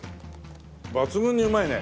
抜群にうまいね。